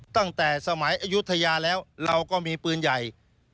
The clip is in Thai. ตั้งแต่สมัยอายุทยาแล้วเราก็มีปืนใหญ่